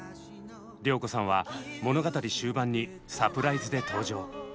良子さんは物語終盤にサプライズで登場。